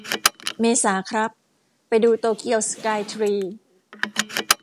เมษาครับ ไปดูโตเกียวสกายทรี